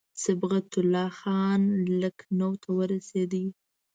صبغت الله خان لکنهو ته ورسېدی.